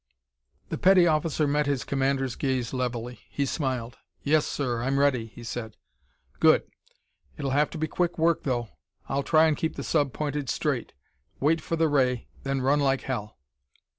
The petty officer met his commander's gaze levelly. He smiled. "Yes, sir, I'm ready!" he said. "Good! It'll have to be quick work, though; I'll try and keep the sub pointed straight. Wait for the ray, then run like hell!"